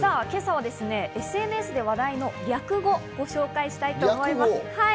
今朝はＳＮＳで話題の略語をご紹介したいと思います。